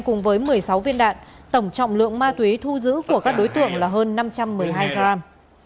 cùng với một mươi sáu viên đạn tổng trọng lượng ma túy thu giữ của các đối tượng là hơn năm trăm một mươi hai gram